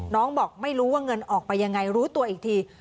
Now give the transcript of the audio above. บอกไม่รู้ว่าเงินออกไปยังไงรู้ตัวอีกที